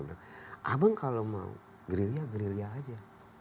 abang kalau mau grillnya grillnya saja